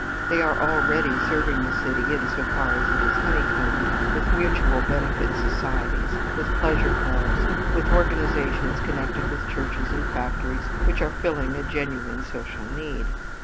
They are already serving the city in so far as it is honeycombed with mutual benefit societies, with "pleasure clubs," with organizations connected with churches and factories which are filling a genuine social need.